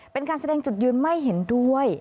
เป็นการแสดงจุดยืนไม่เห็นด้วย